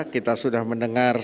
kita sudah mendengar